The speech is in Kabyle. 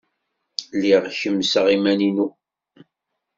Lliɣ kemseɣ iman-inu.